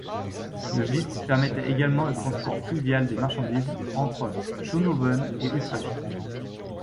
Le Vlist permettait également le transport fluvial des marchandises entre Schoonhoven et Utrecht.